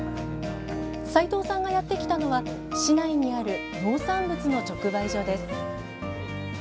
齋藤さんがやってきたのは市内にある農産物の直売所です。